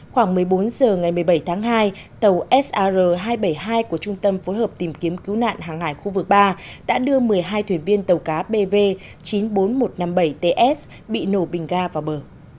khoảng một mươi bốn h ngày một mươi bảy tháng hai tàu sar hai trăm bảy mươi hai của trung tâm phối hợp tìm kiếm cứu nạn hàng hải khu vực ba đã đưa một mươi hai thuyền viên tàu cá bv chín mươi bốn nghìn một trăm năm mươi bảy ts bị nổ bình ga vào bờ